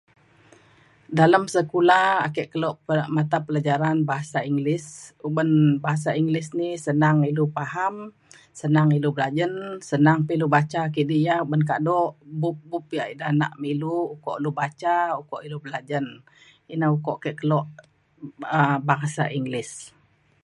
dalem sekula ake kelo pe- matapelajaran bahasa English uban bahasa English ni senang ilu paham senang ilu belajen senang pa ilu baca kidi ya ban kado bup bup yak ida nak me ilu ukok lu baca ukok ilu belajen. ina ukok ke kelo um bahasa English.